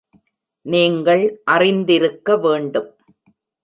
நீங்கள் அறிந்திருக்கவேண்டும்.